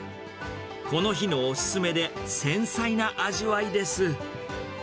この日のお勧めで、繊細な味わいです。